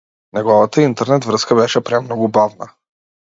Неговата интернет-врска беше премногу бавна.